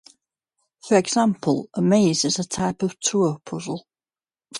For example, a maze is a type of tour puzzle.